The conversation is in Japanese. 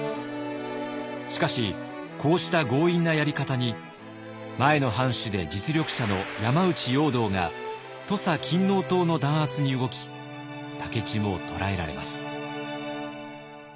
しかしこうした強引なやり方に前の藩主で実力者の山内容堂が土佐勤王党の弾圧に動き武市も捕らえられます。